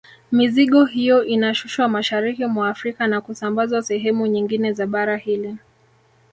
Mizigo hiyo inashushwa mashariki mwa Afrika na kusambazwa sehemu nyingine za bara hili